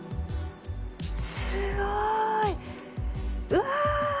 すごーいうわ！